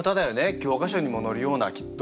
教科書にも載るようなきっと。